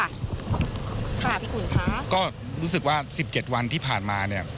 ค่ะพี่อุ๋นค่ะก็รู้สึกว่าสิบเจ็ดวันที่ผ่านมาเนี่ย